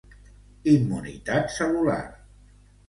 Immunitat cel·lular.